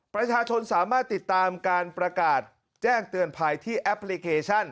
ประชาชนสามารถติดตามการประกาศแจ้งเตือนภัยที่แอปพลิเคชัน